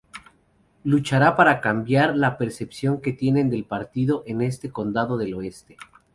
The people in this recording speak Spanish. Luchará para cambiar la percepción que tienen del partido en este condado del oeste.